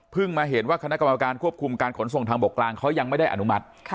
มาเห็นว่าคณะกรรมการควบคุมการขนส่งทางบกกลางเขายังไม่ได้อนุมัติ